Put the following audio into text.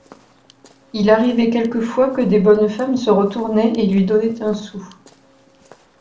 Il arrivait quelquefois que des bonnes femmes se retournaient et lui donnaient un sou.